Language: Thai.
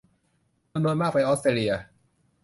จำนวนมากไปออสเตรเลีย